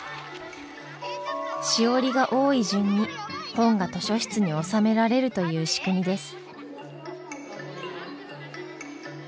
しおりが多い順に本が図書室に納められるという仕組みです。